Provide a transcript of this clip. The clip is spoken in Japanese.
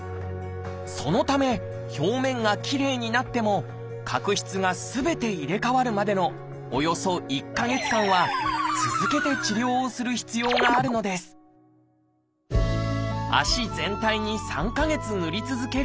そのため表面がきれいになっても角質がすべて入れ代わるまでのおよそ１か月間は続けて治療をする必要があるのです足全体に３か月ぬり続ける。